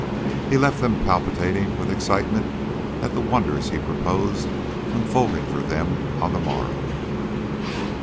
He left them palpitating with excitement at the wonders he proposed unfolding for them on the morrow.